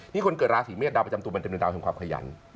นี่คนเกิดราศีเมษดาวประจำตูมันจำเป็นดาวที่มีความขยัน